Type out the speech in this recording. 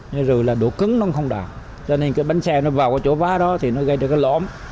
như rồi là độ cứng nó không đoạn cho nên cái bánh xe nó vào cái chỗ vá đó thì nó gây ra cái lõm